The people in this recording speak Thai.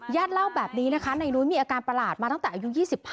เล่าแบบนี้นะคะนายนุ้ยมีอาการประหลาดมาตั้งแต่อายุ๒๕